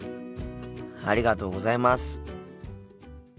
ありがとうございます。